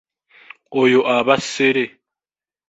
Oyo aba ssere.